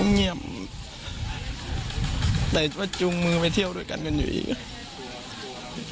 เขาเงียบแต่วัดชูงมือไปเที่ยวด้วยกันอยู่อีก